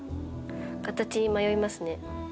形に迷いますね。